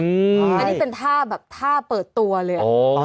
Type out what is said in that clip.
อันนี้เป็นท่าแบบท่าเปิดตัวเลย